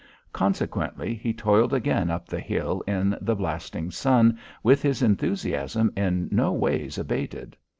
Consequently he toiled again up the hill in the blasting sun with his enthusiasm in no ways abated.